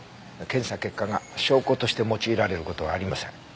検査結果が証拠として用いられる事はありません。